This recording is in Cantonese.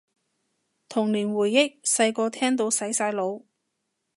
童年回憶，細個聽到洗晒腦